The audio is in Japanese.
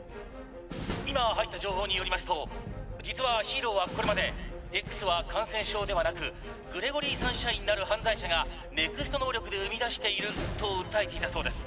「今入った情報によりますと実はヒーローはこれまで『Ｘは感染症ではなくグレゴリー・サンシャインなる犯罪者がＮＥＸＴ能力で生み出している』と訴えていたそうです。